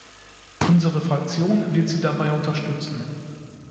Unsere Fraktion wird Sie dabei unterstützen.